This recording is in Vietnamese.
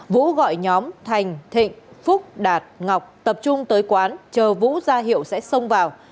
vũ gọi nhóm thành thịnh phúc đạt ngọc tập trung tới quán chờ vũ ra hiệu sẽ xông vào